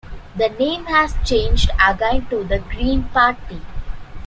The name has changed again to The Green Party.